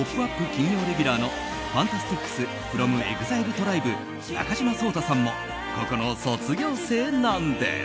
金曜レギュラーのＦＡＮＴＡＳＴＩＣＳｆｒｏｍＥＸＩＬＥＴＲＩＢＥ中島颯太さんもここの卒業生なんです。